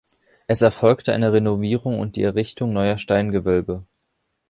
Es erfolgte eine Renovierung und die Errichtung neuer Steingewölbe.